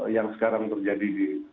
yang sekarang terjadi